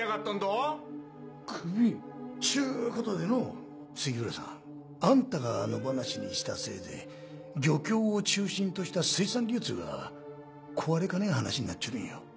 っちゅうことでの杉浦さんあんたが野放しにしたせいで漁協を中心とした水産流通が壊れかねん話になっちょるんよ。